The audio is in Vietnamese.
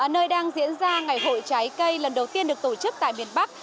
nơi đang diễn ra ngày hội trái cây lần đầu tiên được tổ chức tại miền bắc